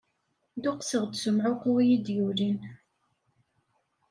Dduqseɣ-d s umɛuqqu iyi-d-yulin.